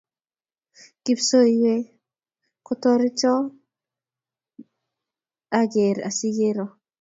kipsoiywe ko torityon ne ang'er asikero.